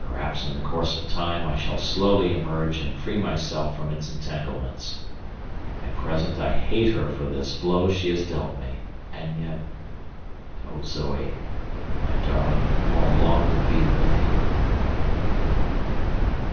Perhaps in the course of time I shall slowly emerge and free myself from its entanglements. At present I hate her for this blow she has dealt me, and yet, O Zoe! my darling, how I long to be with you!